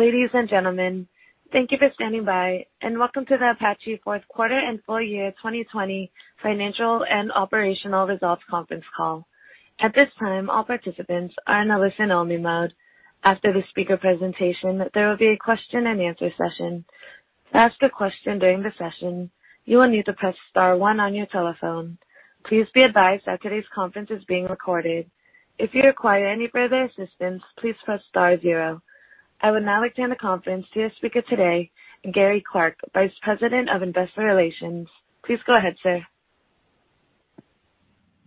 Ladies and gentlemen, thank you for standing by. Welcome to the Apache Fourth Quarter and Full Year 2020 Financial and Operational Results Conference Call. At this time, all participants are in a listen-only mode. After the speaker presentation, there will be a question and answer session. To ask a question during the session, you will need to press star one on your telephone. Please be advised that today's conference is being recorded. If you require any further assistance, please press star zero. I would now like to hand the conference to your speaker today, Gary Clark, Vice President of Investor Relations. Please go ahead, sir.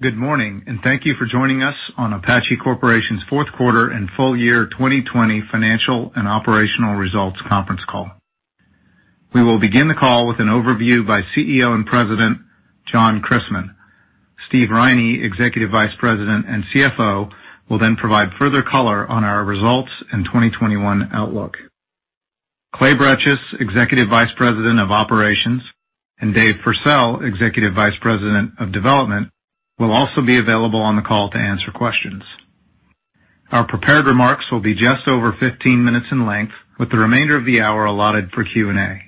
Good morning. Thank you for joining us on Apache Corporation's Fourth Quarter and Full Year 2020 Financial and Operational Results Conference Call. We will begin the call with an overview by CEO and President, John Christmann. Steve Riney, Executive Vice President and CFO, will then provide further color on our results and 2021 outlook. Clay Bretches, Executive Vice President of Operations, and David Pursell, Executive Vice President of Development, will also be available on the call to answer questions. Our prepared remarks will be just over 15 minutes in length, with the remainder of the hour allotted for Q&A.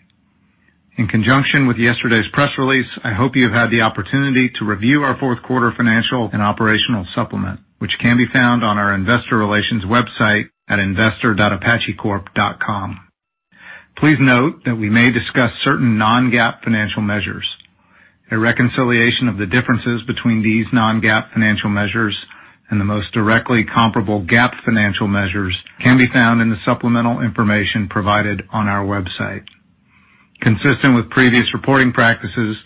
In conjunction with yesterday's press release, I hope you have had the opportunity to review our fourth quarter financial and operational supplement, which can be found on our investor relations website at investor.apacorp.com. Please note that we may discuss certain non-GAAP financial measures. A reconciliation of the differences between these non-GAAP financial measures and the most directly comparable GAAP financial measures can be found in the supplemental information provided on our website. Consistent with previous reporting practices,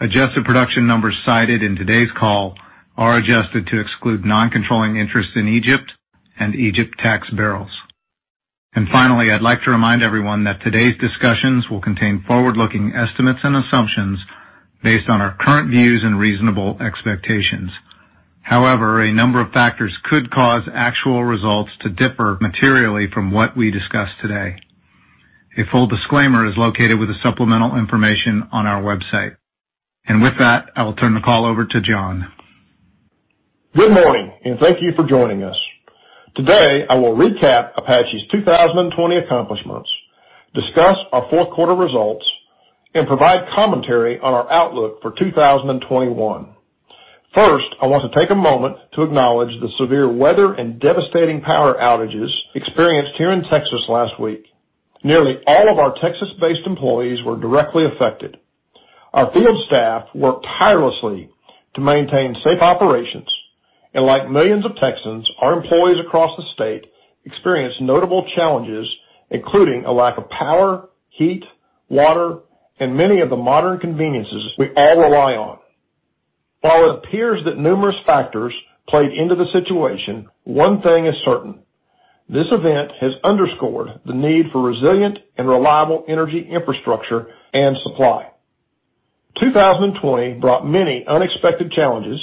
adjusted production numbers cited in today's call are adjusted to exclude non-controlling interests in Egypt and Egypt tax barrels. Finally, I'd like to remind everyone that today's discussions will contain forward-looking estimates and assumptions based on our current views and reasonable expectations. However, a number of factors could cause actual results to differ materially from what we discuss today. A full disclaimer is located with the supplemental information on our website. With that, I will turn the call over to John. Good morning, and thank you for joining us. Today, I will recap Apache's 2020 accomplishments, discuss our fourth quarter results, and provide commentary on our outlook for 2021. First, I want to take a moment to acknowledge the severe weather and devastating power outages experienced here in Texas last week. Nearly all of our Texas-based employees were directly affected. Our field staff worked tirelessly to maintain safe operations, and like millions of Texans, our employees across the state experienced notable challenges, including a lack of power, heat, water, and many of the modern conveniences we all rely on. While it appears that numerous factors played into the situation, one thing is certain: this event has underscored the need for resilient and reliable energy infrastructure and supply. 2020 brought many unexpected challenges,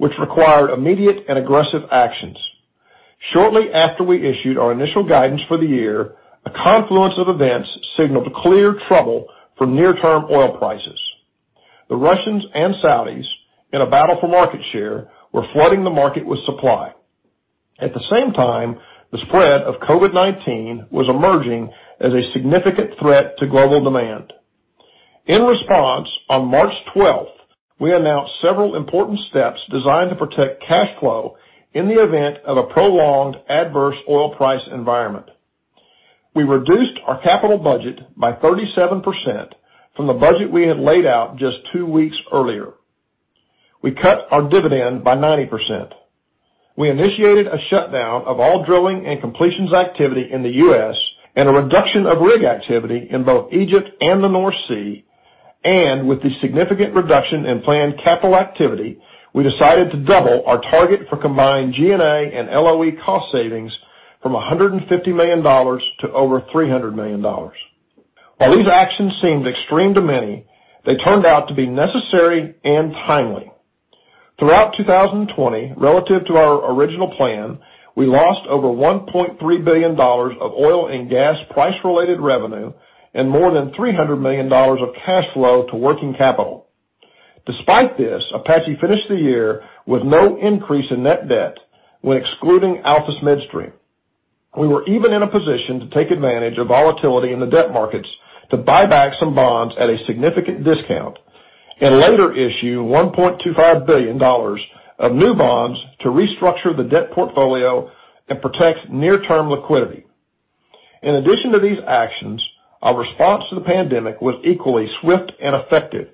which required immediate and aggressive actions. Shortly after we issued our initial guidance for the year, a confluence of events signaled clear trouble for near-term oil prices. The Russians and Saudis, in a battle for market share, were flooding the market with supply. At the same time, the spread of COVID-19 was emerging as a significant threat to global demand. In response, on March 12th, we announced several important steps designed to protect cash flow in the event of a prolonged adverse oil price environment. We reduced our capital budget by 37% from the budget we had laid out just two weeks earlier. We cut our dividend by 90%. We initiated a shutdown of all drilling and completions activity in the U.S. and a reduction of rig activity in both Egypt and the North Sea. With the significant reduction in planned capital activity, we decided to double our target for combined G&A and LOE cost savings from $150 million to over $300 million. While these actions seemed extreme to many, they turned out to be necessary and timely. Throughout 2020, relative to our original plan, we lost over $1.3 billion of oil and gas price-related revenue and more than $300 million of cash flow to working capital. Despite this, Apache finished the year with no increase in net debt when excluding Altus Midstream. We were even in a position to take advantage of volatility in the debt markets to buy back some bonds at a significant discount and later issue $1.25 billion of new bonds to restructure the debt portfolio and protect near-term liquidity. In addition to these actions, our response to the pandemic was equally swift and effective.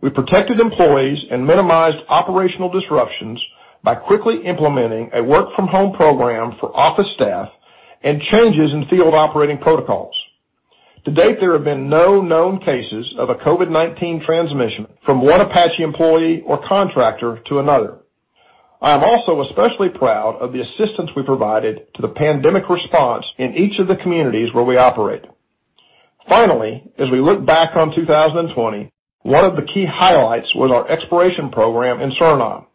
We protected employees and minimized operational disruptions by quickly implementing a work-from-home program for office staff and changes in field operating protocols. To date, there have been no known cases of a COVID-19 transmission from one Apache employee or contractor to another. I am also especially proud of the assistance we provided to the pandemic response in each of the communities where we operate. Finally, as we look back on 2020, one of the key highlights was our exploration program in Suriname,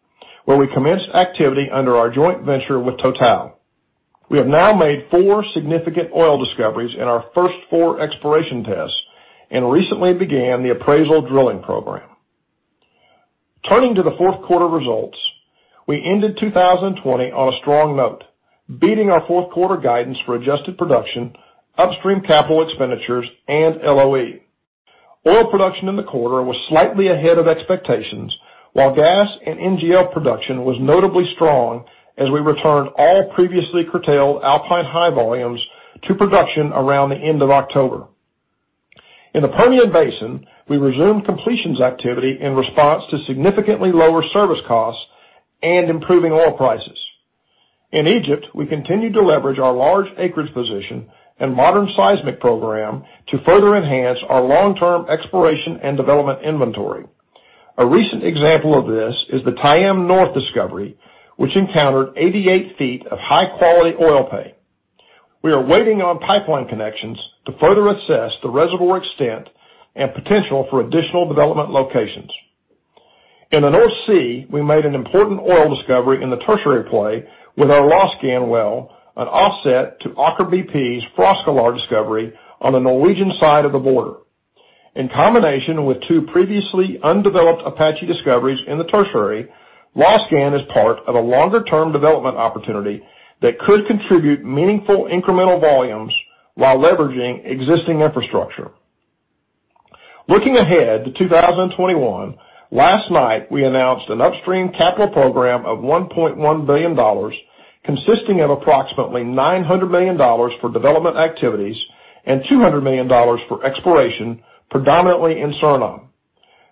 where we commenced activity under our joint venture with Total. We have now made four significant oil discoveries in our first four exploration tests and recently began the appraisal drilling program. Turning to the fourth quarter results, we ended 2020 on a strong note, beating our fourth-quarter guidance for adjusted production, upstream capital expenditures, and LOE. Oil production in the quarter was slightly ahead of expectations, while gas and NGL production was notably strong as we returned all previously curtailed Alpine High volumes to production around the end of October. In the Permian Basin, we resumed completions activity in response to significantly lower service costs and improving oil prices. In Egypt, we continued to leverage our large acreage position and modern seismic program to further enhance our long-term exploration and development inventory. A recent example of this is the Tayim-North discovery, which encountered 88 feet of high-quality oil pay. We are waiting on pipeline connections to further assess the reservoir extent and potential for additional development locations. In the North Sea, we made an important oil discovery in the Tertiary play with our Losgann well, an offset to Aker BP's Froskelår discovery on the Norwegian side of the border. In combination with two previously undeveloped Apache discoveries in the Tertiary, Losgann is part of a longer-term development opportunity that could contribute meaningful incremental volumes while leveraging existing infrastructure. Looking ahead to 2021, last night, we announced an upstream capital program of $1.1 billion, consisting of approximately $900 million for development activities and $200 million for exploration, predominantly in Suriname.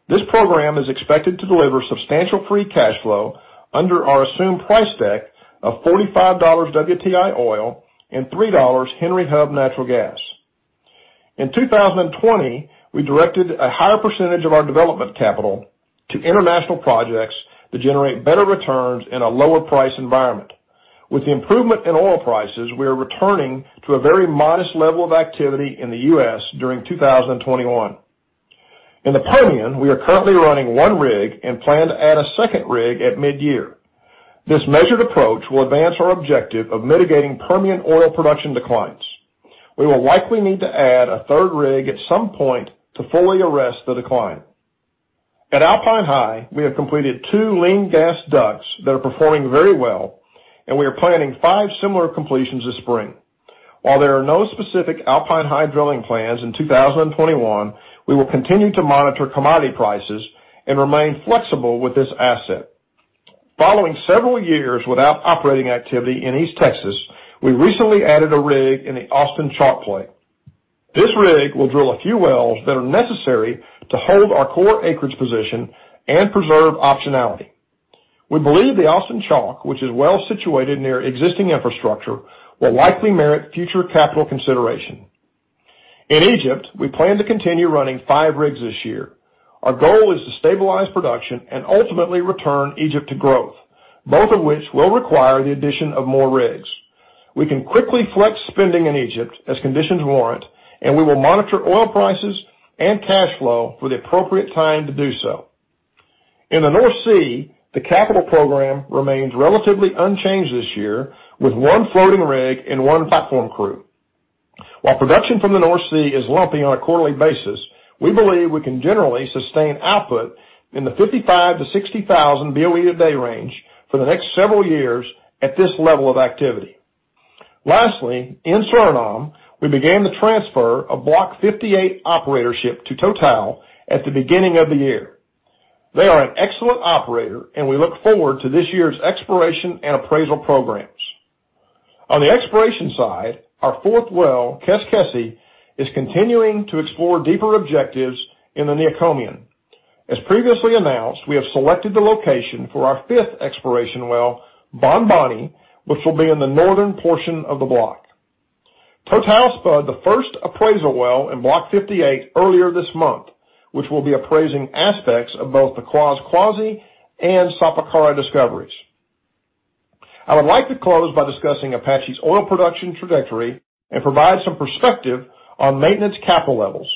This program is expected to deliver substantial free cash flow under our assumed price deck of $45 WTI oil and $3 Henry Hub natural gas. In 2020, we directed a higher percentage of our development capital to international projects that generate better returns in a lower price environment. With the improvement in oil prices, we are returning to a very modest level of activity in the U.S. during 2021. In the Permian, we are currently running one rig and plan to add a second rig at mid-year. This measured approach will advance our objective of mitigating Permian oil production declines. We will likely need to add a third rig at some point to fully arrest the decline. At Alpine High, we have completed two lean gas DUCs that are performing very well, and we are planning five similar completions this spring. While there are no specific Alpine High drilling plans in 2021, we will continue to monitor commodity prices and remain flexible with this asset. Following several years without operating activity in East Texas, we recently added a rig in the Austin Chalk play. This rig will drill a few wells that are necessary to hold our core acreage position and preserve optionality. We believe the Austin Chalk, which is well situated near existing infrastructure, will likely merit future capital consideration. In Egypt, we plan to continue running five rigs this year. Our goal is to stabilize production and ultimately return Egypt to growth, both of which will require the addition of more rigs. We can quickly flex spending in Egypt as conditions warrant, and we will monitor oil prices and cash flow for the appropriate time to do so. In the North Sea, the capital program remains relatively unchanged this year, with one floating rig and one platform crew. While production from the North Sea is lumpy on a quarterly basis, we believe we can generally sustain output in the 55,000 - 60,000 BOE a day range for the next several years at this level of activity. Lastly, in Suriname, we began the transfer of Block 58 operatorship to Total at the beginning of the year. They are an excellent operator, and we look forward to this year's exploration and appraisal programs. On the exploration side, our fourth well, Keskesi, is continuing to explore deeper objectives in the Neocomian. As previously announced, we have selected the location for our fifth exploration well, Bonboni, which will be in the northern portion of Block 58. Total spud the first appraisal well in Block 58 earlier this month, which will be appraising aspects of both the Kwaskwasi and Sapakara discoveries. I would like to close by discussing Apache's oil production trajectory and provide some perspective on maintenance capital levels.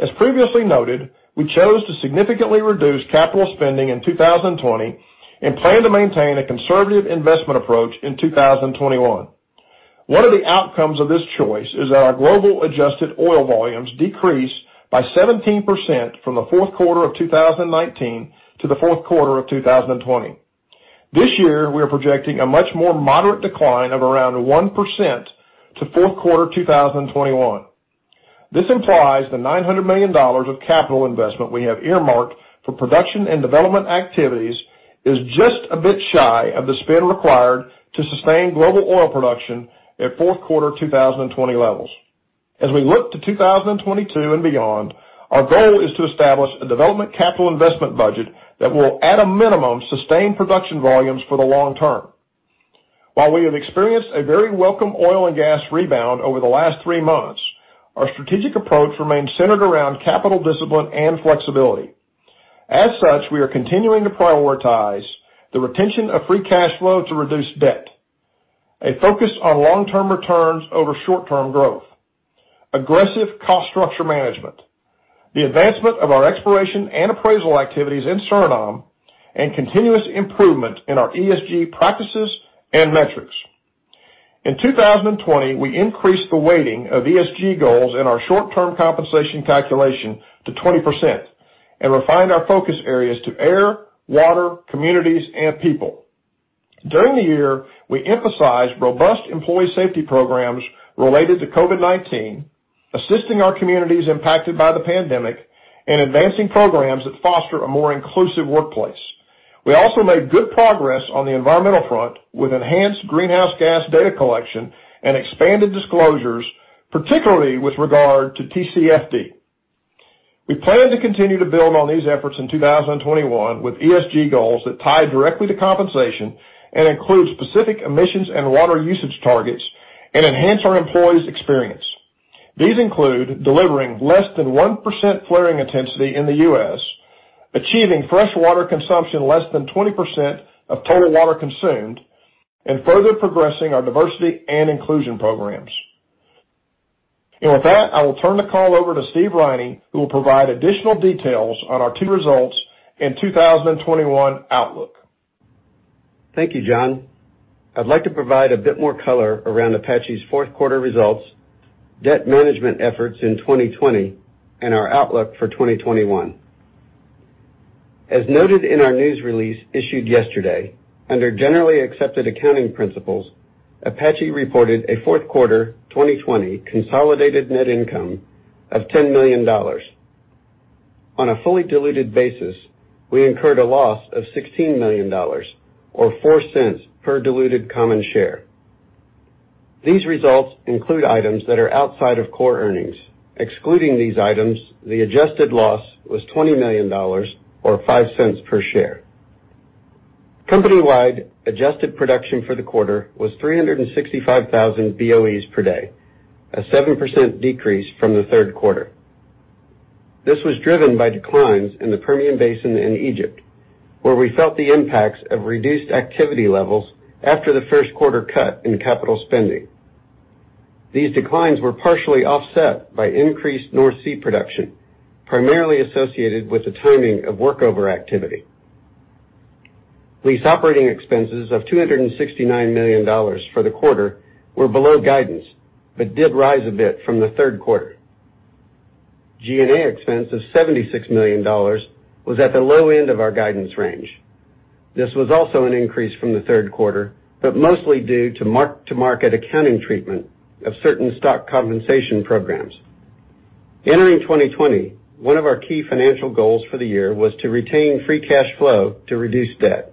As previously noted, we chose to significantly reduce capital spending in 2020 and plan to maintain a conservative investment approach in 2021. One of the outcomes of this choice is that our global adjusted oil volumes decreased by 17% from the fourth quarter of 2019 to the fourth quarter of 2020. This year, we are projecting a much more moderate decline of around 1% to fourth quarter 2021. This implies the $900 million of capital investment we have earmarked for production and development activities is just a bit shy of the spend required to sustain global oil production at fourth quarter 2020 levels. As we look to 2022 and beyond, our goal is to establish a development capital investment budget that will, at a minimum, sustain production volumes for the long term. While we have experienced a very welcome oil and gas rebound over the last three months, our strategic approach remains centered around capital discipline and flexibility. As such, we are continuing to prioritize the retention of free cash flow to reduce debt, a focus on long-term returns over short-term growth, aggressive cost structure management, the advancement of our exploration and appraisal activities in Suriname, and continuous improvement in our ESG practices and metrics. In 2020, we increased the weighting of ESG goals in our short-term compensation calculation to 20% and refined our focus areas to air, water, communities, and people. During the year, we emphasized robust employee safety programs related to COVID-19, assisting our communities impacted by the pandemic, and advancing programs that foster a more inclusive workplace. We also made good progress on the environmental front with enhanced greenhouse gas data collection and expanded disclosures, particularly with regard to TCFD. We plan to continue to build on these efforts in 2021 with ESG goals that tie directly to compensation and include specific emissions and water usage targets and enhance our employees' experience. These include delivering less than 1% flaring intensity in the U.S., achieving freshwater consumption less than 20% of total water consumed, and further progressing our diversity and inclusion programs. With that, I will turn the call over to Steve Riney, who will provide additional details on our Q4 results and 2021 outlook. Thank you, John. I'd like to provide a bit more color around Apache's fourth quarter results, debt management efforts in 2020, and our outlook for 2021. As noted in our news release issued yesterday, under generally accepted accounting principles, Apache reported a fourth quarter 2020 consolidated net income of $10 million. On a fully diluted basis, we incurred a loss of $16 million, or $0.04 per diluted common share. These results include items that are outside of core earnings. Excluding these items, the adjusted loss was $20 million, or $0.05 per share. Company-wide adjusted production for the quarter was 365,000 BOEs per day, a 7% decrease from the third quarter. This was driven by declines in the Permian Basin in Egypt, where we felt the impacts of reduced activity levels after the first-quarter cut in capital spending. These declines were partially offset by increased North Sea production, primarily associated with the timing of workover activity. Lease operating expenses of $269 million for the quarter were below guidance, but did rise a bit from the third quarter. G&A expense of $76 million was at the low end of our guidance range. This was also an increase from the third quarter, but mostly due to mark-to-market accounting treatment of certain stock compensation programs. Entering 2020, one of our key financial goals for the year was to retain free cash flow to reduce debt.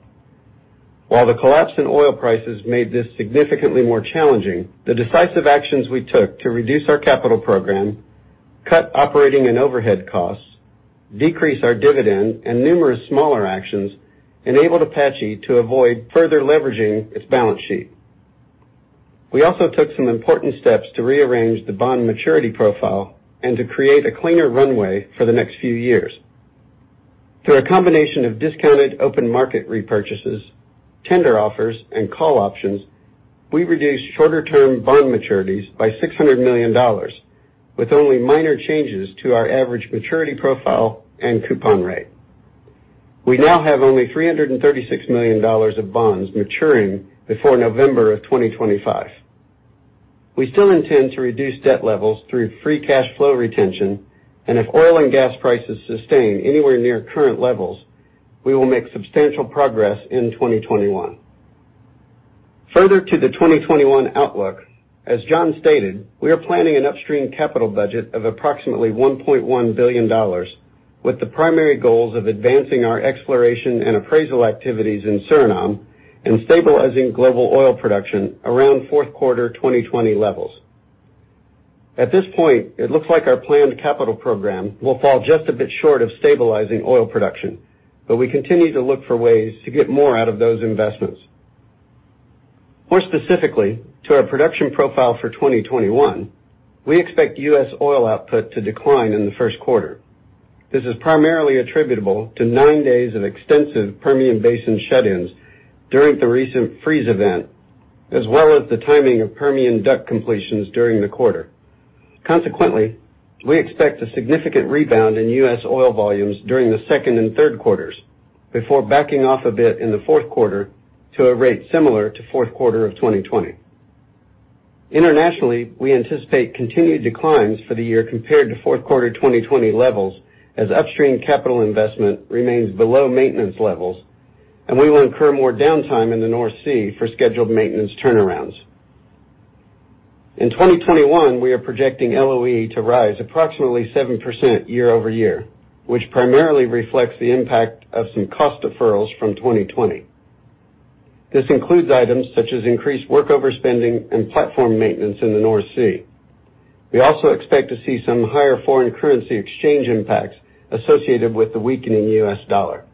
While the collapse in oil prices made this significantly more challenging, the decisive actions we took to reduce our capital program, cut operating and overhead costs, decrease our dividend, and numerous smaller actions enabled Apache to avoid further leveraging its balance sheet. We also took some important steps to rearrange the bond maturity profile and to create a cleaner runway for the next few years. Through a combination of discounted open market repurchases, tender offers, and call options, we reduced shorter-term bond maturities by $600 million, with only minor changes to our average maturity profile and coupon rate. We now have only $336 million of bonds maturing before November of 2025. We still intend to reduce debt levels through free cash flow retention, and if oil and gas prices sustain anywhere near current levels, we will make substantial progress in 2021. Further to the 2021 outlook, as John stated, we are planning an upstream capital budget of approximately $1.1 billion, with the primary goals of advancing our exploration and appraisal activities in Suriname and stabilizing global oil production around fourth quarter 2020 levels. At this point, it looks like our planned capital program will fall just a bit short of stabilizing oil production, but we continue to look for ways to get more out of those investments. More specifically, to our production profile for 2021, we expect U.S. oil output to decline in the first quarter. This is primarily attributable to nine days of extensive Permian Basin shut-ins during the recent freeze event, as well as the timing of Permian DUC completions during the quarter. Consequently, we expect a significant rebound in U.S. oil volumes during the second and third quarters before backing off a bit in the fourth quarter to a rate similar to fourth quarter of 2020. Internationally, we anticipate continued declines for the year compared to fourth quarter 2020 levels, as upstream capital investment remains below maintenance levels. We will incur more downtime in the North Sea for scheduled maintenance turnarounds. In 2021, we are projecting LOE to rise approximately 7% year-over-year, which primarily reflects the impact of some cost deferrals from 2020. This includes items such as increased workover spending and platform maintenance in the North Sea. We also expect to see some higher foreign currency exchange impacts associated with the weakening US dollar.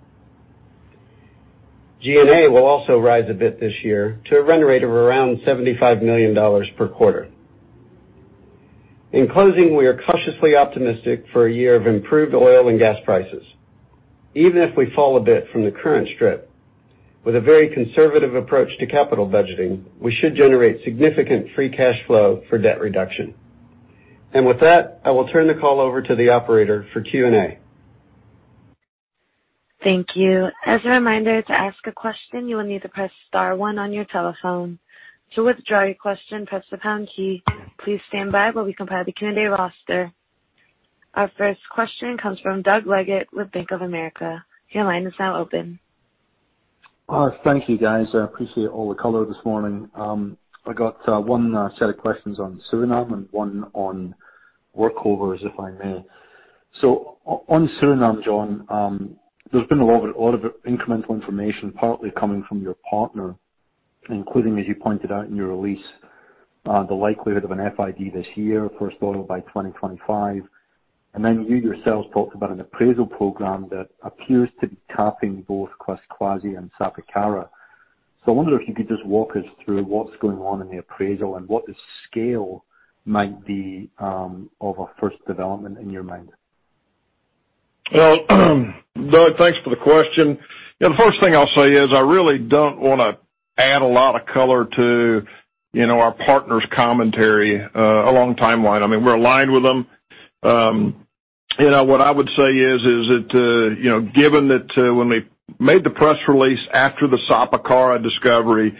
G&A will also rise a bit this year to a run rate of around $75 million per quarter. In closing, we are cautiously optimistic for a year of improved oil and gas prices. Even if we fall a bit from the current strip, with a very conservative approach to capital budgeting, we should generate significant free cash flow for debt reduction. With that, I will turn the call over to the operator for Q&A. Thank you. As a reminder, to ask a question, you will need to press star one on your telephone. To withdraw your question, press the pound key. Please stand by while we compile the Q&A roster. Our first question comes from Doug Leggate with Bank of America. Your line is now open. Thank you, guys. I appreciate all the color this morning. I got one set of questions on Suriname and one on workovers, if I may. On Suriname, John, there's been a lot of incremental information partly coming from your partner, including, as you pointed out in your release, the likelihood of an FID this year, first oil by 2025. You yourselves talked about an appraisal program that appears to be tapping both Kwaskwasi and Sapakara. I wonder if you could just walk us through what's going on in the appraisal and what the scale might be of a first development in your mind. Well, Doug, thanks for the question. The first thing I'll say is I really don't want to add a lot of color to our partner's commentary along timeline. We're aligned with them. What I would say is that, given that when we made the press release after the Sapakara discovery,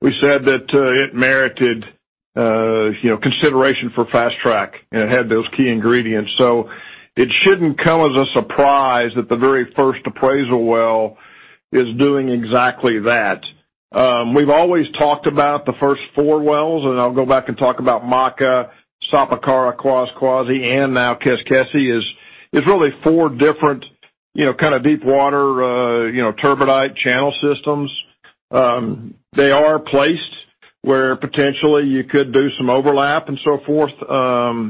we said that it merited consideration for fast track and it had those key ingredients. It shouldn't come as a surprise that the very first appraisal well is doing exactly that. We've always talked about the first four wells, and I'll go back and talk about Maka, Sapakara, Kwaskwasi, and now Keskesi. Is really four different kind of deep water turbidite channel systems. They are placed where potentially you could do some overlap and so forth as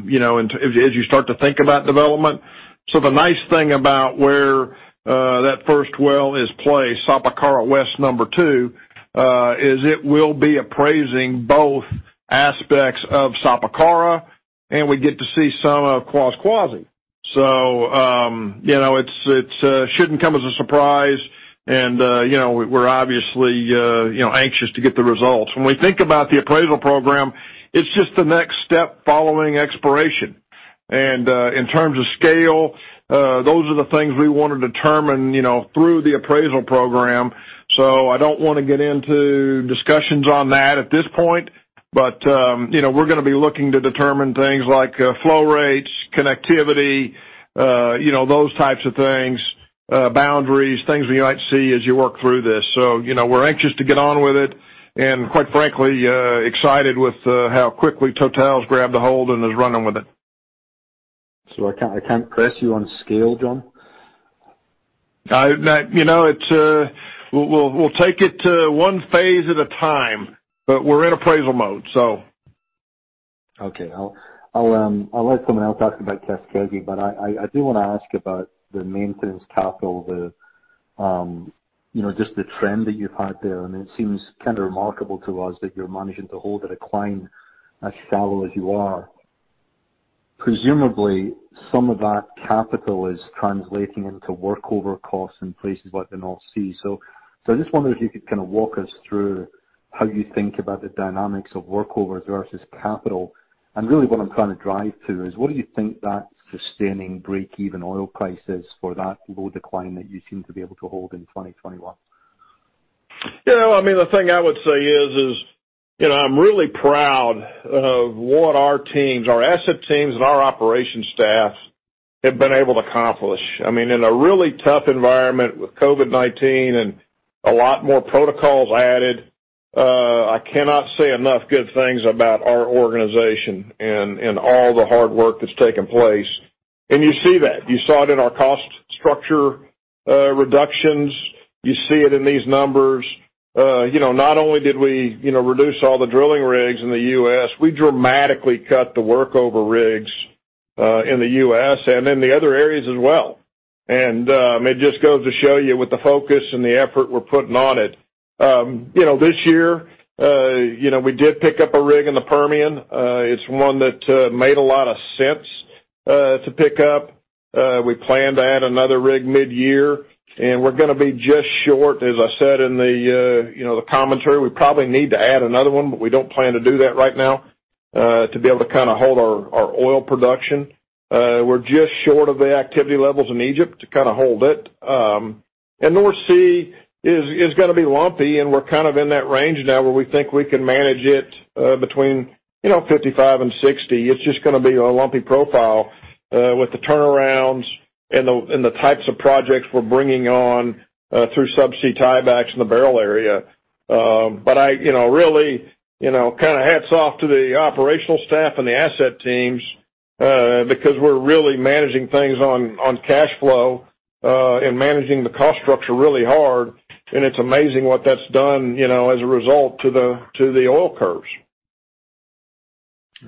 you start to think about development. The nice thing about where that first well is placed, Sapakara West number two, is it will be appraising both aspects of Sapakara, and we get to see some of Kwaskwasi. It shouldn't come as a surprise and we're obviously anxious to get the results. When we think about the appraisal program, it's just the next step following exploration. In terms of scale, those are the things we want to determine through the appraisal program. I don't want to get into discussions on that at this point. We're going to be looking to determine things like flow rates, connectivity, those types of things, boundaries, things we might see as you work through this. We're anxious to get on with it, and quite frankly, excited with how quickly Total's grabbed a hold and is running with it. I can't press you on scale, John? We'll take it one phase at a time, but we're in appraisal mode. Okay. I'll let someone else ask about Keskesi, but I do want to ask about the maintenance capital, just the trend that you've had there, and it seems kind of remarkable to us that you're managing to hold a decline as shallow as you are. Presumably, some of that capital is translating into workover costs in places like the North Sea. I just wonder if you could kind of walk us through how you think about the dynamics of workovers versus capital. Really what I'm trying to drive to is what do you think that sustaining breakeven oil price is for that low decline that you seem to be able to hold in 2021? The thing I would say is I'm really proud of what our teams, our asset teams, and our operations staff have been able to accomplish. In a really tough environment with COVID-19 and a lot more protocols added, I cannot say enough good things about our organization and all the hard work that's taken place. You see that. You saw it in our cost structure reductions. You see it in these numbers. Not only did we reduce all the drilling rigs in the U.S., we dramatically cut the workover rigs in the U.S. and in the other areas as well. It just goes to show you with the focus and the effort we're putting on it. This year, we did pick up a rig in the Permian. It's one that made a lot of sense to pick up. We plan to add another rig mid-year, and we're going to be just short, as I said in the commentary. We probably need to add another one, but we don't plan to do that right now to be able to kind of hold our oil production. We're just short of the activity levels in Egypt to kind of hold it. North Sea is going to be lumpy, and we're kind of in that range now where we think we can manage it between 55 and 60. It's just going to be a lumpy profile with the turnarounds and the types of projects we're bringing on through subsea tiebacks in the Beryl area. Really, kind of hats off to the operational staff and the asset teams, because we're really managing things on cash flow, and managing the cost structure really hard, and it's amazing what that's done as a result to the oil curves.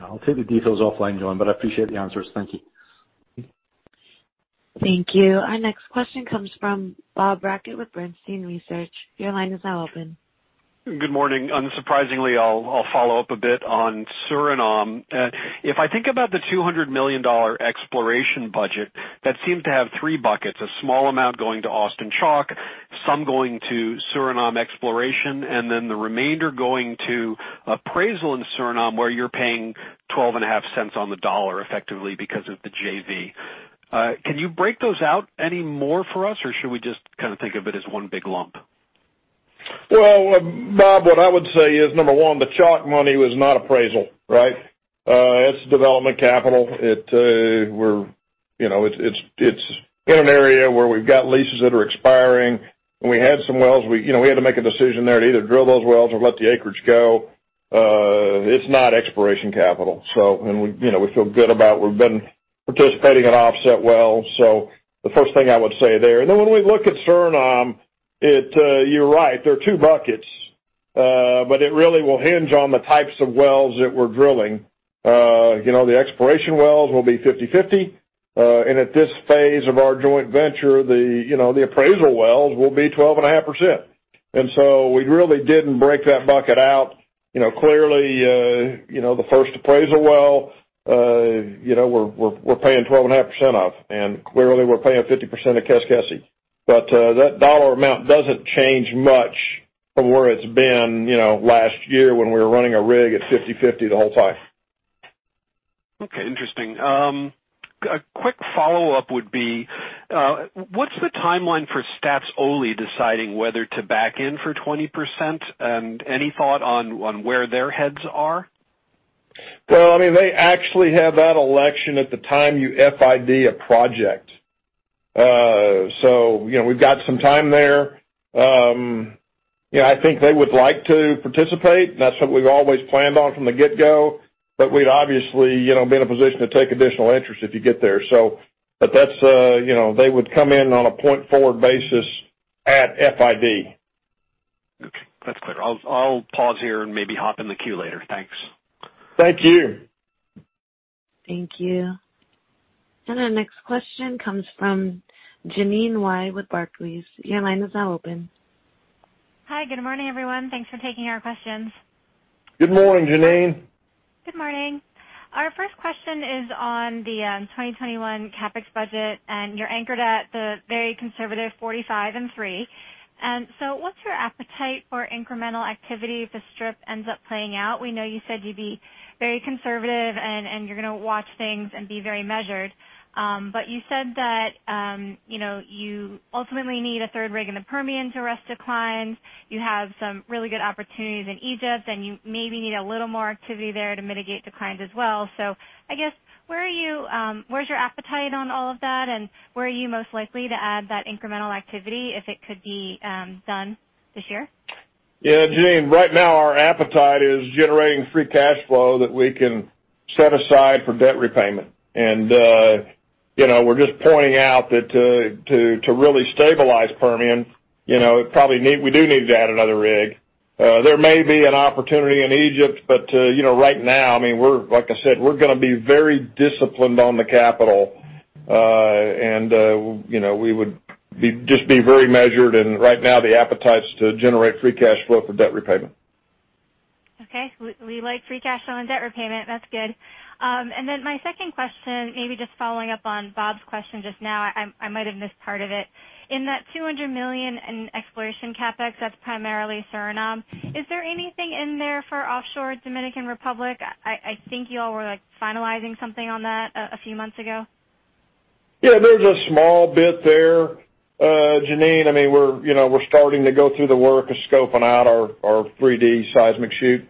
I'll take the details offline, John, but I appreciate the answers. Thank you. Thank you. Our next question comes from Bob Brackett with Bernstein Research. Your line is now open. Good morning. Unsurprisingly, I will follow up a bit on Suriname. If I think about the $200 million exploration budget, that seemed to have three buckets, a small amount going to Austin Chalk. Some going to Suriname exploration, and then the remainder going to appraisal in Suriname, where you are paying $0.125 on the dollar effectively because of the JV. Can you break those out any more for us, or should we just think of it as one big lump? Well, Bob, what I would say is, number one, the Chalk money was not appraisal, right? It's development capital. It's in an area where we've got leases that are expiring, and we had some wells. We had to make a decision there to either drill those wells or let the acreage go. It's not exploration capital. We feel good about. We've been participating in offset wells. The first thing I would say there. When we look at Suriname, you're right, there are two buckets. It really will hinge on the types of wells that we're drilling. The exploration wells will be 50/50. At this phase of our joint venture, the appraisal wells will be 12.5%. We really didn't break that bucket out. Clearly, the first appraisal well, we're paying 12.5% of, and clearly we're paying 50% of Keskesi. That dollar amount doesn't change much from where it's been last year when we were running a rig at 50/50 the whole time. Okay, interesting. A quick follow-up would be, what's the timeline for Staatsolie deciding whether to back in for 20%? Any thought on where their heads are? They actually have that election at the time you FID a project. We've got some time there. I think they would like to participate, and that's something we've always planned on from the get-go, but we'd obviously be in a position to take additional interest if you get there. They would come in on a point forward basis at FID. That's clear. I'll pause here and maybe hop in the queue later. Thanks. Thank you. Thank you. Our next question comes from Jeanine Wai with Barclays. Your line is now open. Hi, good morning, everyone. Thanks for taking our questions. Good morning, Jeanine. Good morning. Our first question is on the 2021 CapEx budget. You're anchored at the very conservative $45 and free. What's your appetite for incremental activity if the strip ends up playing out? We know you said you'd be very conservative and you're going to watch things and be very measured. You said that you ultimately need a third rig in the Permian to arrest declines. You have some really good opportunities in Egypt, and you maybe need a little more activity there to mitigate declines as well. I guess, where's your appetite on all of that, and where are you most likely to add that incremental activity if it could be done this year? Yeah, Jeanine, right now our appetite is generating free cash flow that we can set aside for debt repayment. We're just pointing out that to really stabilize Permian, we do need to add another rig. There may be an opportunity in Egypt, but right now, like I said, we're going to be very disciplined on the capital. We would just be very measured, and right now the appetite's to generate free cash flow for debt repayment. Okay. We like free cash flow and debt repayment. That's good. My second question, maybe just following up on Bob's question just now. I might have missed part of it. In that $200 million in exploration CapEx, that's primarily Suriname. Is there anything in there for offshore Dominican Republic? I think you all were finalizing something on that a few months ago. Yeah, there's a small bit there, Jeanine. We're starting to go through the work of scoping out our 3D seismic shoot.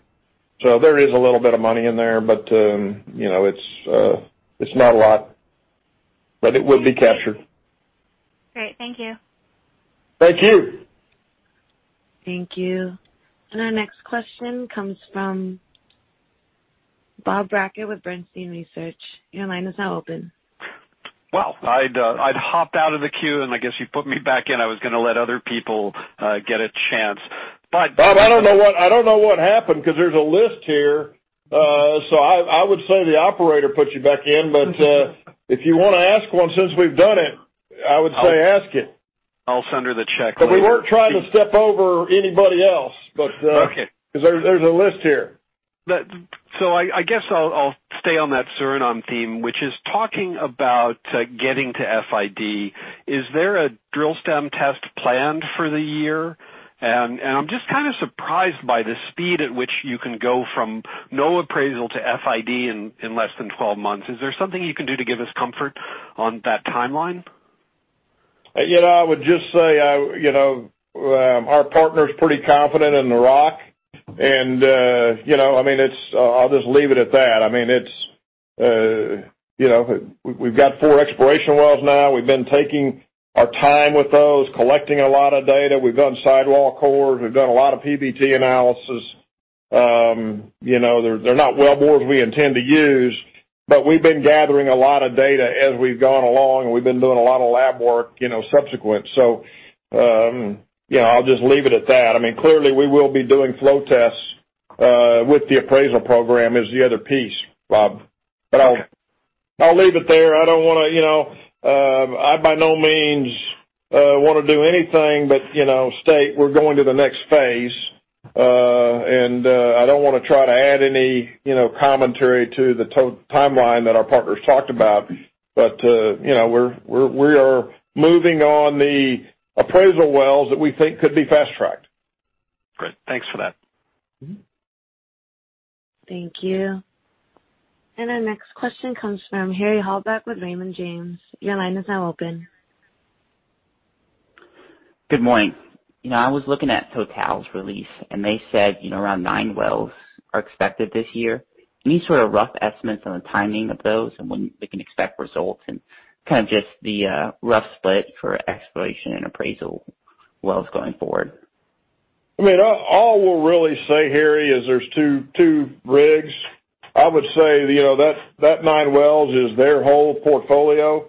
There is a little bit of money in there, but it's not a lot, but it would be captured. Great. Thank you. Thank you. Thank you. Our next question comes from Bob Brackett with Bernstein Research. Your line is now open. Well, I'd hopped out of the queue, and I guess you put me back in. I was going to let other people get a chance. Bob, I don't know what happened because there's a list here. I would say the operator put you back in. If you want to ask one since we've done it, I would say ask it. I'll send her the check later. We weren't trying to step over anybody else. Okay ...because there's a list here. I guess I'll stay on that Suriname theme, which is talking about getting to FID. Is there a drill stem test planned for the year? I'm just kind of surprised by the speed at which you can go from no appraisal to FID in less than 12 months. Is there something you can do to give us comfort on that timeline? I would just say our partner's pretty confident in the rock, and I'll just leave it at that. We've got four exploration wells now. We've been taking our time with those, collecting a lot of data. We've done sidewall cores. We've done a lot of PBT analysis. They're not wellbores we intend to use, but we've been gathering a lot of data as we've gone along. We've been doing a lot of lab work subsequent. So, I'll just leave it at that. Clearly, we will be doing flow tests with the appraisal program is the other piece, Bob. But I'll leave it there. I, by no means, want to do anything but state we're going to the next phase. I don't want to try to add any commentary to the timeline that our partners talked about, but we are moving on the appraisal wells that we think could be fast-tracked. Great. Thanks for that. Thank you. Our next question comes from Harry Halbach with Raymond James. Your line is now open. Good morning. I was looking at Total's release. They said around nine wells are expected this year. Any sort of rough estimates on the timing of those and when we can expect results and kind of just the rough split for exploration and appraisal wells going forward? All we'll really say, Harry, is there's two rigs. I would say that nine wells is their whole portfolio.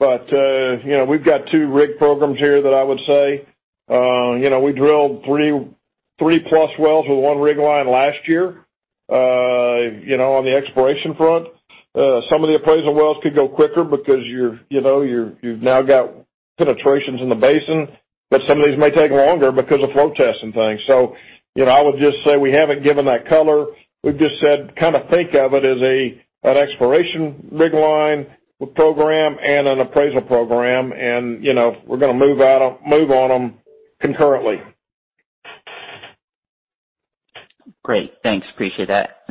We've got two rig programs here that I would say. We drilled three-plus wells with one rig line last year on the exploration front. Some of the appraisal wells could go quicker because you've now got penetrations in the basin, but some of these may take longer because of flow tests and things. I would just say we haven't given that color. We've just said think of it as an exploration rig line program and an appraisal program. We're going to move on them concurrently. Great. Thanks. Appreciate that.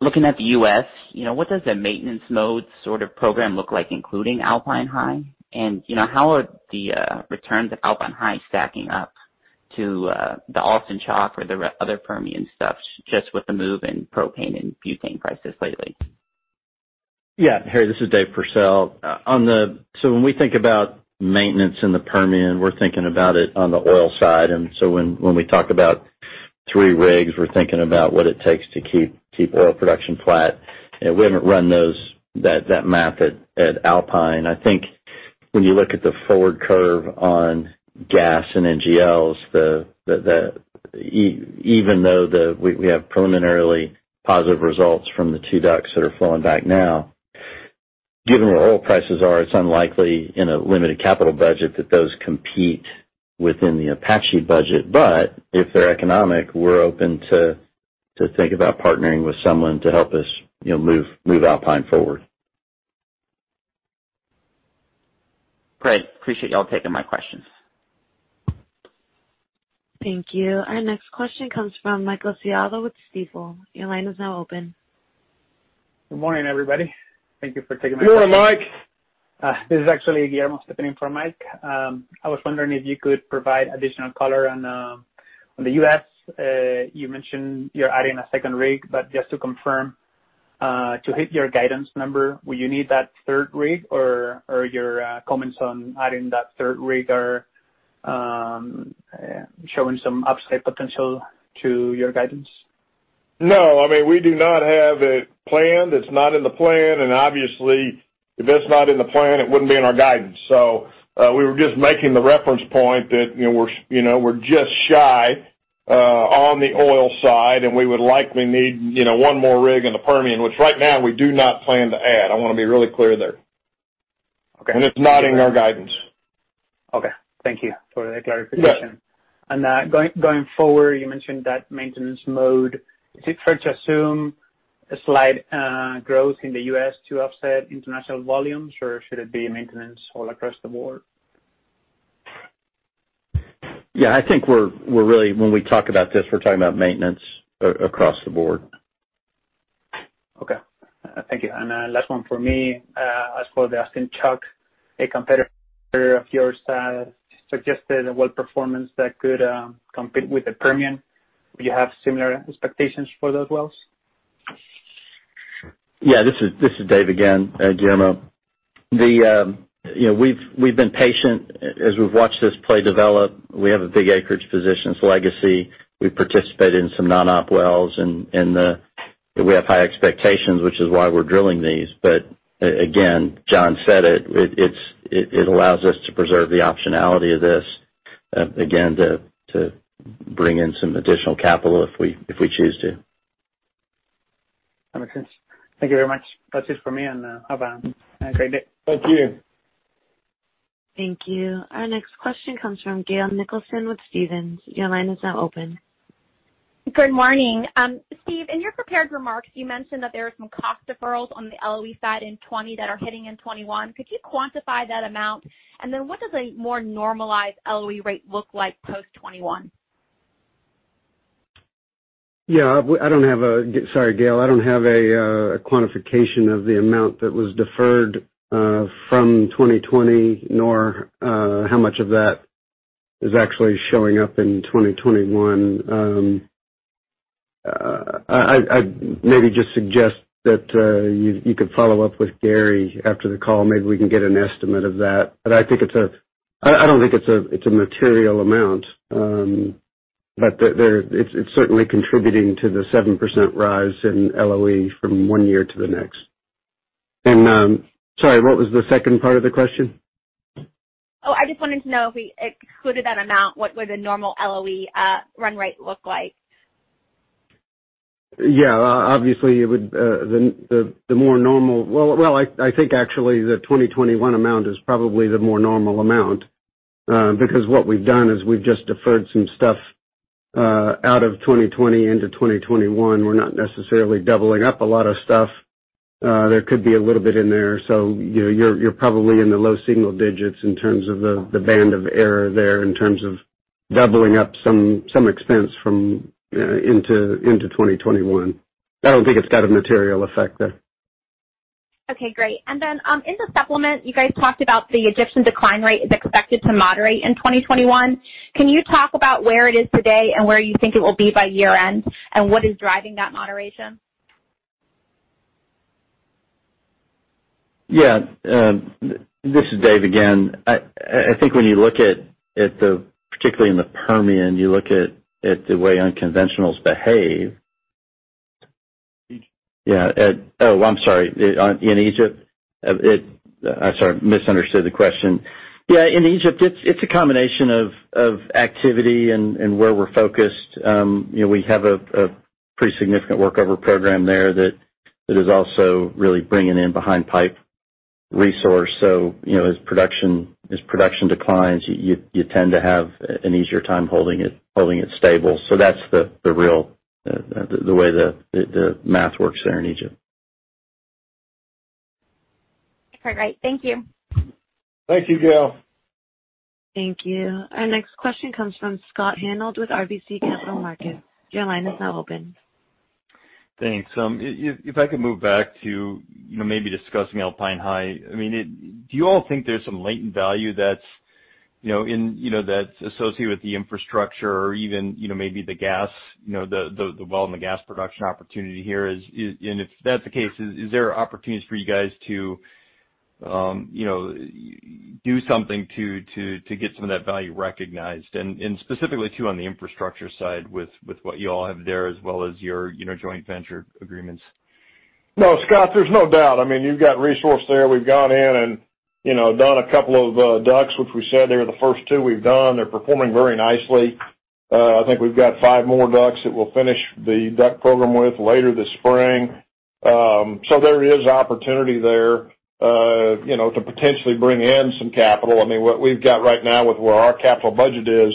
Looking at the U.S., what does a maintenance mode sort of program look like, including Alpine High? How are the returns at Alpine High stacking up to the Austin Chalk or the other Permian stuff, just with the move in propane and butane prices lately? Yeah, Harry, this is David Pursell. When we think about maintenance in the Permian, we're thinking about it on the oil side. When we talk about three rigs, we're thinking about what it takes to keep oil production flat. We haven't run that math at Alpine. I think when you look at the forward curve on gas and NGLs, even though we have preliminarily positive results from the two DUCs that are flowing back now, given where oil prices are, it's unlikely in a limited capital budget that those compete within the Apache budget. If they're economic, we're open to think about partnering with someone to help us move Alpine forward. Great. Appreciate you all taking my questions. Thank you. Our next question comes from Michael Scialla with Stifel. Your line is now open. Good morning, everybody. Thank you for taking my call. Good morning, Mike. This is actually Guillermo stepping in for Mike. I was wondering if you could provide additional color on the U.S. Just to confirm, to hit your guidance number, will you need that third rig, or your comments on adding that third rig are showing some upside potential to your guidance? No, we do not have it planned. It's not in the plan. Obviously, if it's not in the plan, it wouldn't be in our guidance. We were just making the reference point that we're just shy on the oil side, and we would likely need one more rig in the Permian, which right now we do not plan to add. I want to be really clear there. Okay. It's not in our guidance. Okay. Thank you for the clarification. Yeah. Going forward, you mentioned that maintenance mode. Is it fair to assume a slight growth in the U.S. to offset international volumes, or should it be maintenance all across the board? Yeah, I think when we talk about this, we're talking about maintenance across the board. Okay. Thank you. Last one from me. As for the Austin Chalk, a competitor of yours suggested a well performance that could compete with the Permian. Would you have similar expectations for those wells? This is Dave again. Guillermo. We've been patient as we've watched this play develop. We have a big acreage position. It's legacy. We participate in some non-op wells, and we have high expectations, which is why we're drilling these. Again, John said it. It allows us to preserve the optionality of this, again, to bring in some additional capital if we choose to. That makes sense. Thank you very much. That's it for me, and have a great day. Thank you. Thank you. Our next question comes from Gail Nicholson with Stephens. Your line is now open. Good morning. Steve, in your prepared remarks, you mentioned that there are some cost deferrals on the LOE side in 2020 that are hitting in 2021. Could you quantify that amount? What does a more normalized LOE rate look like post 2021? Yeah. Sorry, Gail, I don't have a quantification of the amount that was deferred from 2020, nor how much of that is actually showing up in 2021. I'd maybe just suggest that you could follow up with Gary after the call. Maybe we can get an estimate of that. I don't think it's a material amount. It's certainly contributing to the 7% rise in LOE from one year to the next. Sorry, what was the second part of the question? Oh, I just wanted to know if we excluded that amount, what would a normal LOE run rate look like? Yeah. Obviously, the more normal Well, I think actually the 2021 amount is probably the more normal amount, because what we've done is we've just deferred some stuff out of 2020 into 2021. We're not necessarily doubling up a lot of stuff. There could be a little bit in there. You're probably in the low single digits in terms of the band of error there in terms of doubling up some expense from into 2021. I don't think it's got a material effect there. Okay, great. Then, in the supplement, you guys talked about the Egyptian decline rate is expected to moderate in 2021. Can you talk about where it is today and where you think it will be by year-end, and what is driving that moderation? Yeah. This is Dave again. I think when you look at the, particularly in the Permian, you look at the way unconventionals behave. Yeah. Oh, I'm sorry. In Egypt? I sorry, misunderstood the question. Yeah, in Egypt, it's a combination of activity and where we're focused. We have a pretty significant workover program there that is also really bringing in behind pipe resource. As production declines, you tend to have an easier time holding it stable. That's the way the math works there in Egypt. All right. Thank you. Thank you, Gail. Thank you. Our next question comes from Scott Hanold with RBC Capital Markets. Your line is now open. Thanks. If I could move back to maybe discussing Alpine High. Do you all think there's some latent value that's associated with the infrastructure or even maybe the gas, the oil and the gas production opportunity here? If that's the case, is there opportunities for you guys to do something to get some of that value recognized and specifically too on the infrastructure side with what you all have there as well as your joint venture agreements? No, Scott, there's no doubt. You've got resource there. We've gone in and done a couple of the DUCs, which we said they were the first two we've done. They're performing very nicely. I think we've got five more DUCs that we'll finish the DUC program with later this spring. There is opportunity there to potentially bring in some capital. What we've got right now with where our capital budget is,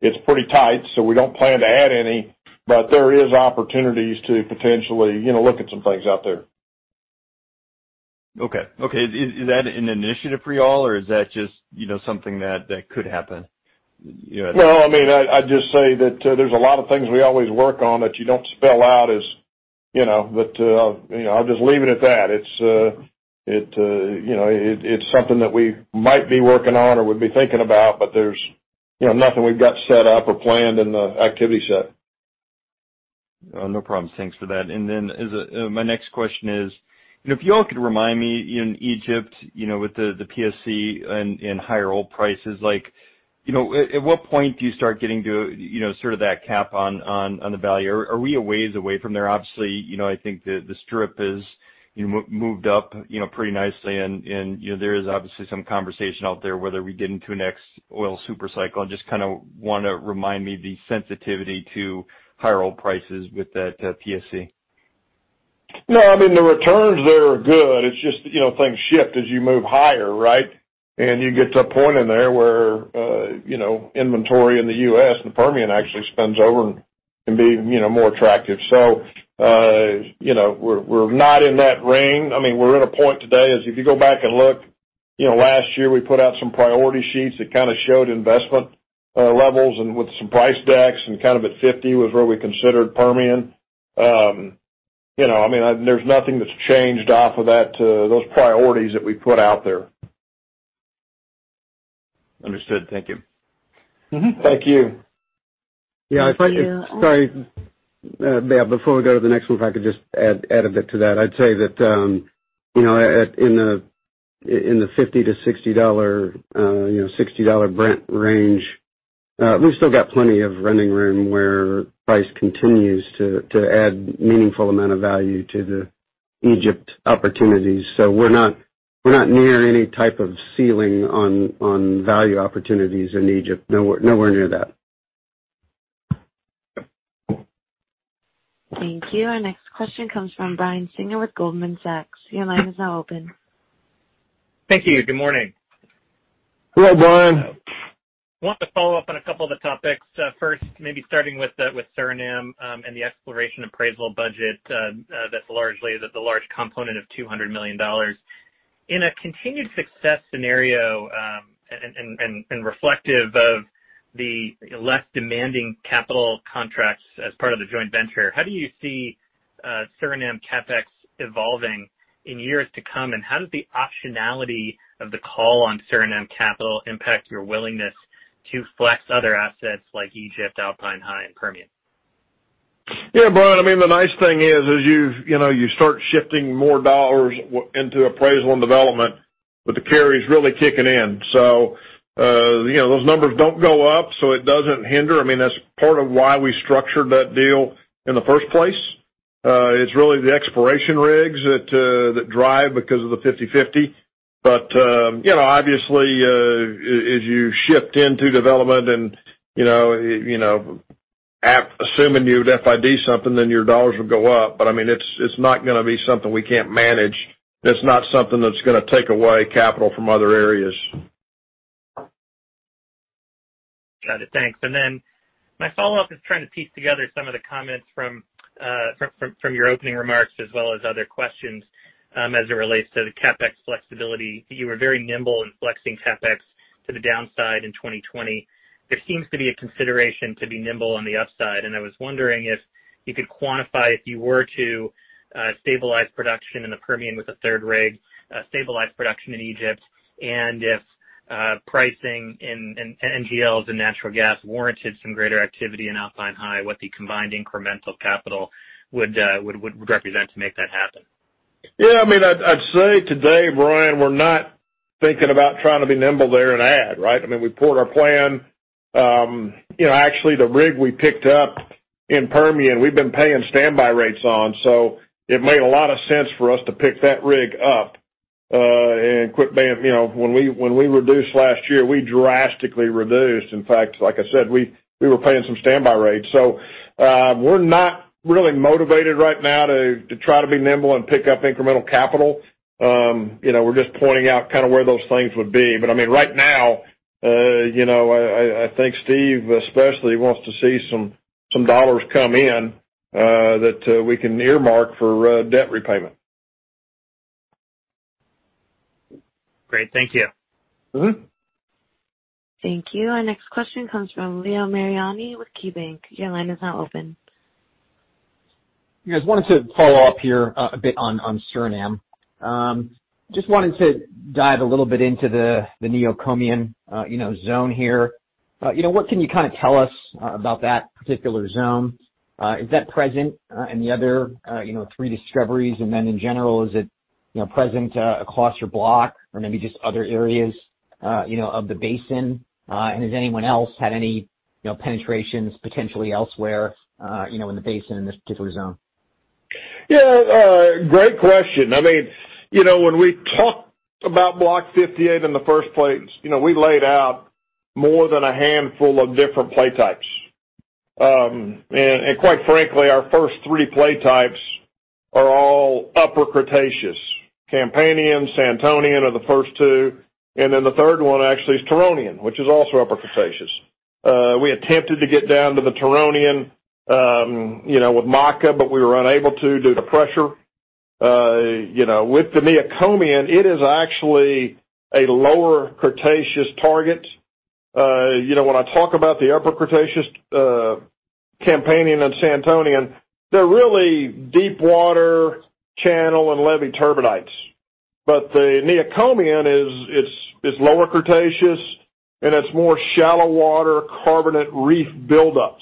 it's pretty tight, so we don't plan to add any. There is opportunities to potentially look at some things out there. Okay. Is that an initiative for you all, or is that just something that could happen? Well, I'd just say that there's a lot of things we always work on that you don't spell out as I'll just leave it at that. It's something that we might be working on or would be thinking about, but there's nothing we've got set up or planned in the activity set. No problem. Thanks for that. My next question is, if you all could remind me in Egypt, with the PSC and higher oil prices, at what point do you start getting to that cap on the value? Are we a ways away from there? Obviously, I think the strip has moved up pretty nicely, and there is obviously some conversation out there whether we get into a next oil super cycle. I just want to remind me the sensitivity to higher oil prices with that PSC. No, the returns there are good. It's just things shift as you move higher, right? You get to a point in there where inventory in the U.S. and the Permian actually spins over and can be more attractive. We're not in that range. We're at a point today as if you go back and look, last year, we put out some priority sheets that showed investment levels and with some price decks and at 50 was where we considered Permian. There's nothing that's changed off of those priorities that we put out there. Understood. Thank you. Thank you. Yeah. Sorry. Before we go to the next one, if I could just add a bit to that. I'd say that in the $50-$60 Brent range, we've still got plenty of running room where price continues to add meaningful amount of value to the Egypt opportunities. We're not near any type of ceiling on value opportunities in Egypt. Nowhere near that. Thank you. Our next question comes from Brian Singer with Goldman Sachs. Your line is now open. Thank you. Good morning. Hello, Brian. Wanted to follow up on a couple of the topics. First, maybe starting with Suriname and the exploration appraisal budget that's the large component of $200 million. In a continued success scenario, and reflective of the less demanding capital contracts as part of the joint venture, how do you see Suriname CapEx evolving in years to come, and how does the optionality of the call on Suriname capital impact your willingness to flex other assets like Egypt, Alpine High, and Permian? Brian, the nice thing is you start shifting more dollars into appraisal and development, the carry is really kicking in. Those numbers don't go up, it doesn't hinder. That's part of why we structured that deal in the first place. It's really the exploration rigs that drive because of the 50/50. Obviously, as you shift into development and assuming you would FID something, your dollars would go up. It's not going to be something we can't manage. That's not something that's going to take away capital from other areas. Got it. Thanks. My follow-up is trying to piece together some of the comments from your opening remarks as well as other questions, as it relates to the CapEx flexibility. You were very nimble in flexing CapEx to the downside in 2020. There seems to be a consideration to be nimble on the upside, and I was wondering if you could quantify if you were to stabilize production in the Permian with a third rig, stabilize production in Egypt, and if pricing in NGLs and natural gas warranted some greater activity in Alpine High, what the combined incremental capital would represent to make that happen. Yeah. I'd say today, Brian, we're not thinking about trying to be nimble there and add, right? We pared our plan. Actually, the rig we picked up in Permian, we've been paying standby rates on. It made a lot of sense for us to pick that rig up. When we reduced last year, we drastically reduced. In fact, like I said, we were paying some standby rates. We're not really motivated right now to try to be nimble and pick up incremental capital. We're just pointing out where those things would be. Right now, I think Steve especially wants to see some dollars come in that we can earmark for debt repayment. Great. Thank you. Thank you. Our next question comes from Leo Mariani with KeyBanc. Your line is now open. Just wanted to follow up here a bit on Suriname. Just wanted to dive a little bit into the Neocomian zone here. What can you tell us about that particular zone? Is that present in the other three discoveries? In general, is it present across your block or maybe just other areas of the basin? Has anyone else had any penetrations potentially elsewhere in the basin in this particular zone? Yeah. Great question. When we talked about Block 58 in the first place, we laid out more than a handful of different play types. Quite frankly, our first three play types are all upper Cretaceous. Campanian, Santonian are the first two, and then the third one actually is Turonian, which is also upper Cretaceous. We attempted to get down to the Turonian with Maka, but we were unable to due to pressure. With the Neocomian, it is actually a lower Cretaceous target. When I talk about the upper Cretaceous, Campanian and Santonian, they're really deep water channel and levee turbidites. The Neocomian is lower Cretaceous, and it's more shallow water carbonate reef buildups.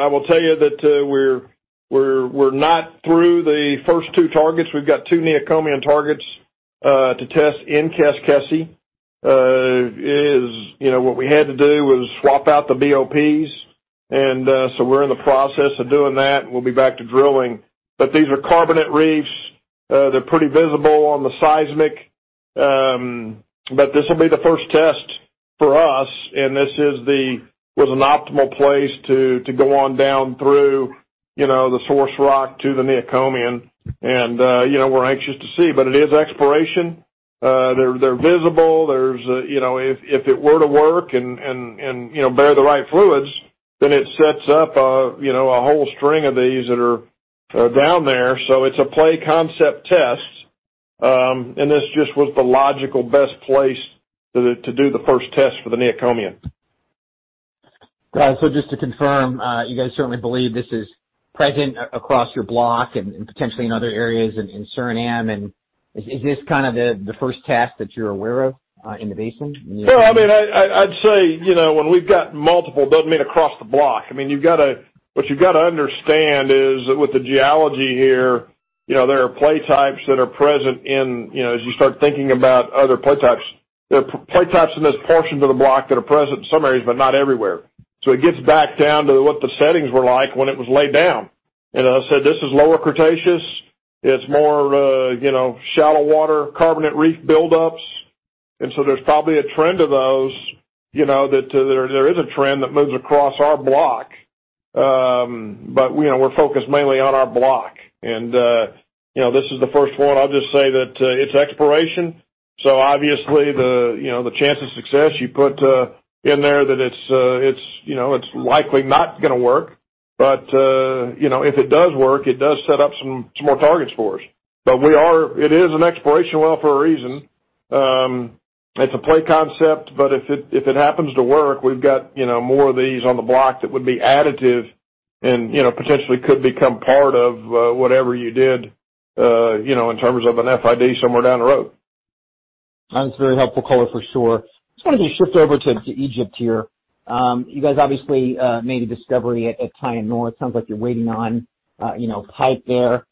I will tell you that we're not through the first two targets. We've got two Neocomian targets to test in Keskesi. What we had to do was swap out the BOPs, and so we're in the process of doing that, and we'll be back to drilling. These are carbonate reefs. They're pretty visible on the seismic. This will be the first test for us, and this was an optimal place to go on down through the source rock to the Neocomian. We're anxious to see, but it is exploration. They're visible. If it were to work and bear the right fluids, then it sets up a whole string of these that are down there. It's a play concept test, and this just was the logical best place to do the first test for the Neocomian. Got it. Just to confirm, you guys certainly believe this is present across your block and potentially in other areas in Suriname, and is this the first test that you're aware of in the basin? I'd say, when we've got multiple, doesn't mean across the block. What you've got to understand is that with the geology here, there are play types that are present as you start thinking about other play types, there are play types in this portion of the block that are present in some areas, but not everywhere. It gets back down to what the settings were like when it was laid down. As I said, this is lower Cretaceous. It's more shallow water carbonate reef buildups. There's probably a trend of those, that there is a trend that moves across our block. We're focused mainly on our block. This is the first one. I'll just say that it's exploration. Obviously the chance of success you put in there that it's likely not going to work. If it does work, it does set up some more targets for us. It is an exploration well for a reason. It's a play concept, but if it happens to work, we've got more of these on the block that would be additive and potentially could become part of whatever you did, in terms of an FID somewhere down the road. That's a very helpful color for sure. Just wanted to shift over to Egypt here. You guys obviously made a discovery at Tayim-North. Sounds like you're waiting on pipe there.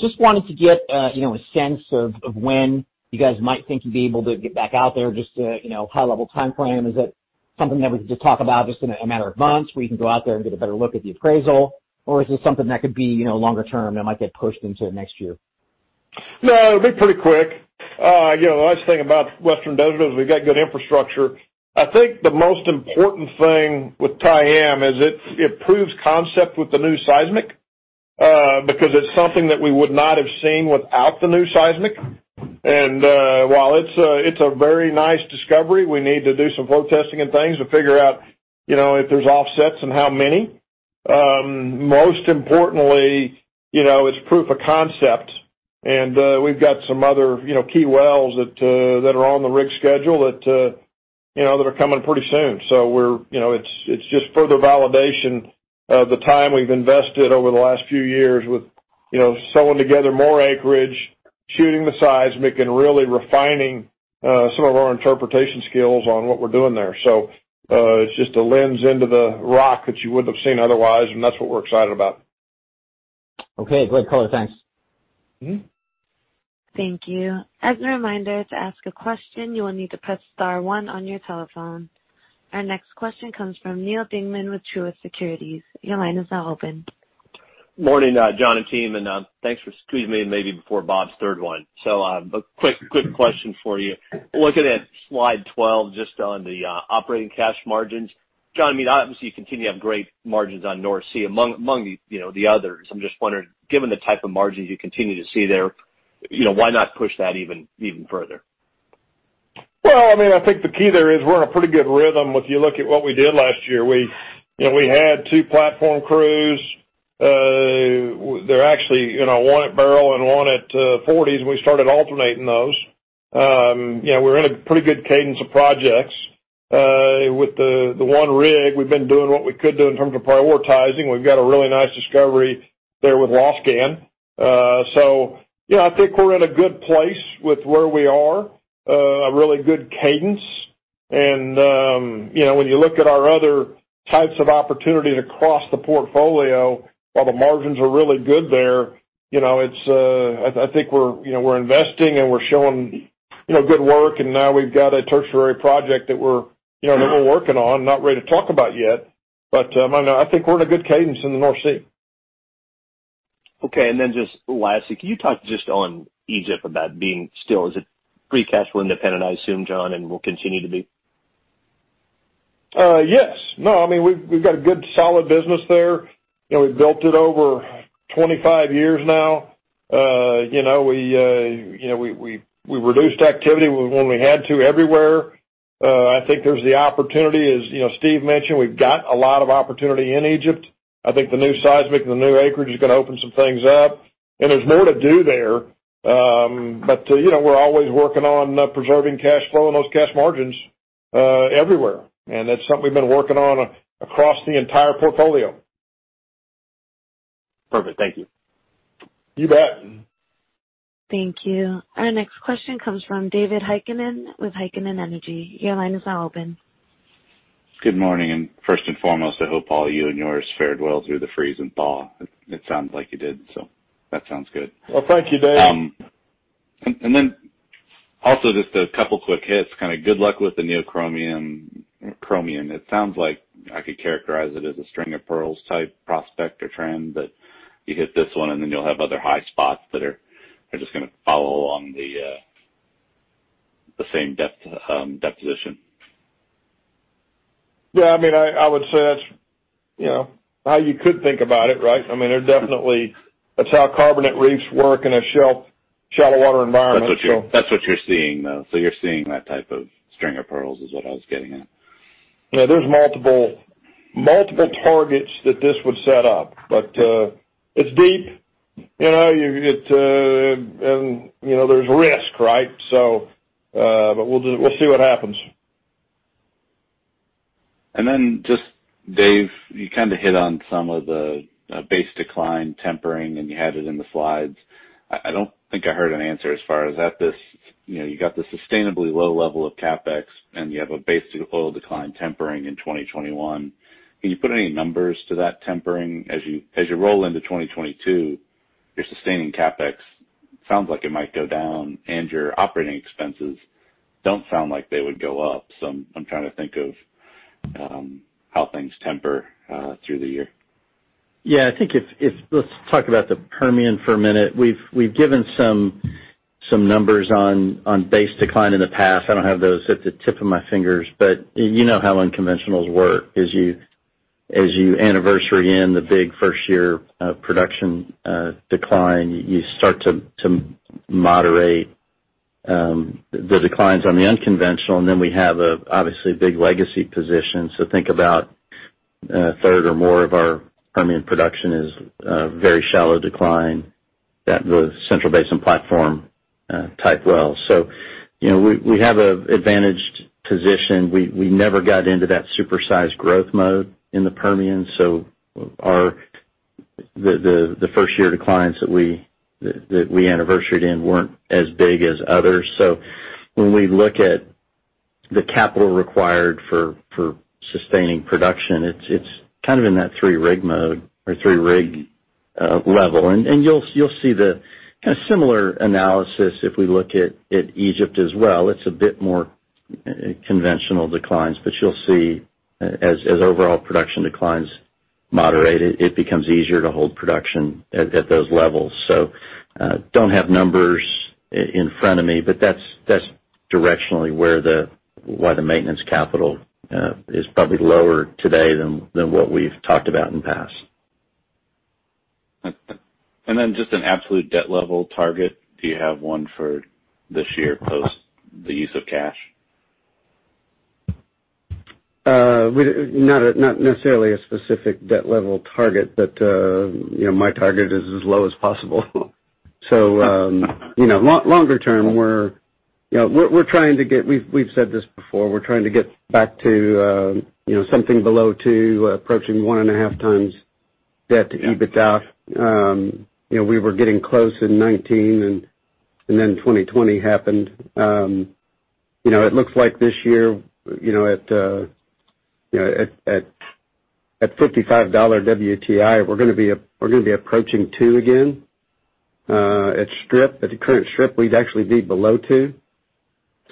Just wanted to get a sense of when you guys might think you'd be able to get back out there, just a high-level time frame. Is it something that we could just talk about just in a matter of months, where you can go out there and get a better look at the appraisal, or is this something that could be longer term that might get pushed into next year? No, it'll be pretty quick. The nice thing about Western Desert is we've got good infrastructure. I think the most important thing with Tayim is it proves concept with the new seismic, because it's something that we would not have seen without the new seismic. While it's a very nice discovery, we need to do some flow testing and things to figure out if there's offsets and how many. Most importantly, it's proof of concept, and we've got some other key wells that are on the rig schedule that are coming pretty soon. It's just further validation of the time we've invested over the last few years with sewing together more acreage, shooting the seismic, and really refining some of our interpretation skills on what we're doing there. It's just a lens into the rock that you wouldn't have seen otherwise, and that's what we're excited about. Okay. Great, color. Thanks. Thank you. As a reminder, to ask a question, you will need to press star one on your telephone. Our next question comes from Neal Dingmann with Truist Securities. Your line is now open. Morning, John and team, thanks for squeezing me in maybe before Bob's third wine. A quick question for you. Looking at slide 12, just on the operating cash margins. John, obviously you continue to have great margins on North Sea. Among the others, I'm just wondering, given the type of margins you continue to see there, why not push that even further? Well, I think the key there is we're in a pretty good rhythm. If you look at what we did last year, we had two platform crews. They're actually one at Beryl and one at Forties, and we started alternating those. We're in a pretty good cadence of projects. With the one rig, we've been doing what we could do in terms of prioritizing. We've got a really nice discovery there with Losgann. Yeah, I think we're in a good place with where we are. A really good cadence and when you look at our other types of opportunities across the portfolio, while the margins are really good there, I think we're investing and we're showing good work, and now we've got a tertiary project. Yeah working on, not ready to talk about yet. I think we're in a good cadence in the North Sea. Okay, then just lastly, can you talk just on Egypt about being still, is it free cash flow independent, I assume, John, and will continue to be? Yes. We've got a good, solid business there. We've built it over 25 years now. We reduced activity when we had to everywhere. I think there's the opportunity, as Steve mentioned, we've got a lot of opportunity in Egypt. I think the new seismic and the new acreage is going to open some things up. There's more to do there. We're always working on preserving cash flow and those cash margins everywhere, and that's something we've been working on across the entire portfolio. Perfect. Thank you. You bet. Thank you. Our next question comes from David Heikkinen with Heikkinen Energy. Your line is now open. Good morning. First and foremost, I hope all you and yours fared well through the freeze and thaw. It sounds like you did. That sounds good. Well, thank you, Dave. Then also, just a couple quick hits, kind of good luck with the Neocomian. It sounds like I could characterize it as a string of pearls type prospect or trend, you hit this one, you'll have other high spots that are just going to follow along the same deposition. Yeah. I would say that's how you could think about it, right? Definitely. That's how carbonate reefs work in a shallow water environment. That's what you're seeing, though. You're seeing that type of string of pearls is what I was getting at. Yeah, there's multiple targets that this would set up. It's deep, and there's risk, right? We'll see what happens. Just, Dave, you kind of hit on some of the base decline tempering, and you had it in the slides. I don't think I heard an answer as far as that. You got this sustainably low level of CapEx, and you have a base oil decline tempering in 2021. Can you put any numbers to that tempering? As you roll into 2022, your sustaining CapEx sounds like it might go down, and your operating expenses don't sound like they would go up. I'm trying to think of how things temper through the year. Yeah, I think let's talk about the Permian for a minute. We've given some numbers on base decline in the past. I don't have those at the tip of my fingers. You know how unconventionals work. As you anniversary in the big first year of production decline, you start to moderate the declines on the unconventional. We have a, obviously, big legacy position. Think about a third or more of our Permian production is a very shallow decline. That was Central Basin Platform type well. We have an advantaged position. We never got into that super-sized growth mode in the Permian. The first-year declines that we anniversaried in weren't as big as others. When we look at the capital required for sustaining production, it's kind of in that three-rig mode or three-rig Level. You'll see the kind of similar analysis if we look at Egypt as well. It's a bit more conventional declines, but you'll see as overall production declines moderate, it becomes easier to hold production at those levels. Don't have numbers in front of me, but that's directionally why the maintenance capital is probably lower today than what we've talked about in the past. Just an absolute debt level target. Do you have one for this year post the use of cash? Not necessarily a specific debt level target, but my target is as low as possible. Longer term, we've said this before, we're trying to get back to something below two, approaching one and a half times debt to- Yeah EBITDA. We were getting close in 2019, then 2020 happened. It looks like this year, at $55 WTI, we're going to be approaching two again. At the current strip, we'd actually be below two.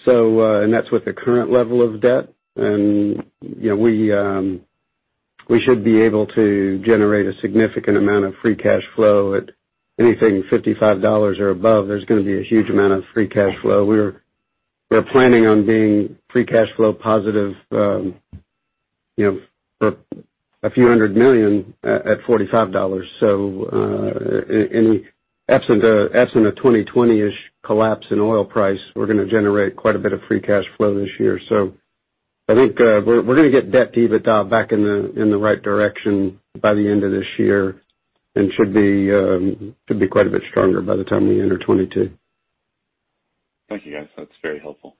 That's with the current level of debt. We should be able to generate a significant amount of free cash flow at anything $55 or above. There's going to be a huge amount of free cash flow. We're planning on being free cash flow positive for a few hundred million at $45. Absent a 2020-ish collapse in oil price, we're going to generate quite a bit of free cash flow this year. I think we're going to get debt-to-EBITDA back in the right direction by the end of this year and should be quite a bit stronger by the time we enter 2022. Thank you, guys. That's very helpful.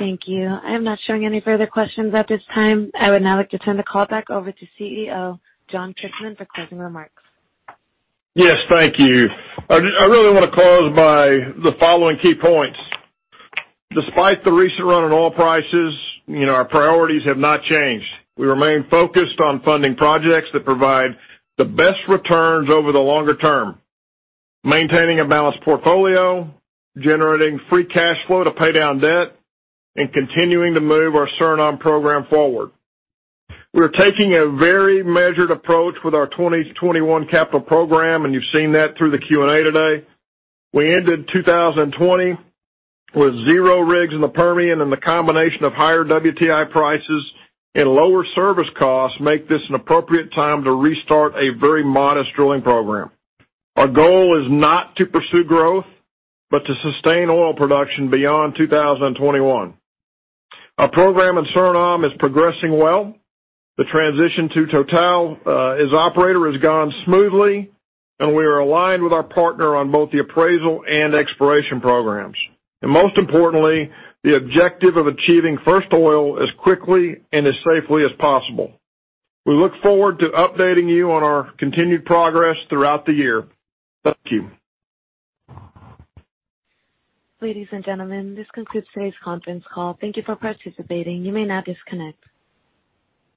Thank you. I am not showing any further questions at this time. I would now like to turn the call back over to CEO, John Christmann, for closing remarks. Yes. Thank you. I really want to close by the following key points. Despite the recent run on oil prices, our priorities have not changed. We remain focused on funding projects that provide the best returns over the longer term. Maintaining a balanced portfolio, generating free cash flow to pay down debt, and continuing to move our Suriname program forward. We are taking a very measured approach with our 2021 capital program, and you've seen that through the Q&A today. We ended 2020 with zero rigs in the Permian, and the combination of higher WTI prices and lower service costs make this an appropriate time to restart a very modest drilling program. Our goal is not to pursue growth, but to sustain oil production beyond 2021. Our program in Suriname is progressing well. The transition to Total as operator has gone smoothly, and we are aligned with our partner on both the appraisal and exploration programs. Most importantly, the objective of achieving first oil as quickly and as safely as possible. We look forward to updating you on our continued progress throughout the year. Thank you. Ladies and gentlemen, this concludes today's conference call. Thank you for participating. You may now disconnect.